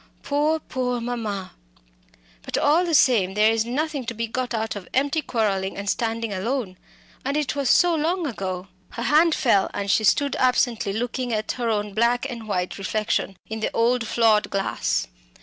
Poor, poor mamma! But, all the same, there is nothing to be got out of empty quarrelling and standing alone. And it was so long ago." Her hand fell, and she stood absently looking at her own black and white reflection in the old flawed glass.